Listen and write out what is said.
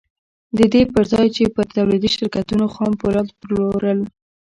د دې پر ځای يې پر توليدي شرکتونو خام پولاد پلورل.